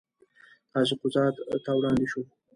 قاضي قضات ته وړاندې شوه.